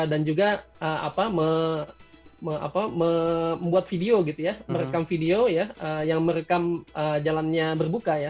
dan juga apa membuat video gitu ya merekam video ya yang merekam jalannya berbuka ya